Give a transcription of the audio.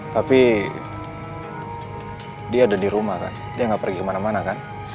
tapi dia ada di rumah kan dia nggak pergi kemana mana kan